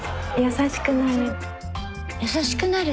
優しくなる？